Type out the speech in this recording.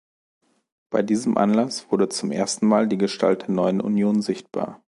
Bei diesem Anlass wurde zum ersten Mal die Gestalt der neuen Union sichtbar.